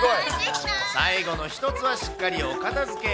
最後の１つは、しっかりお片づけ。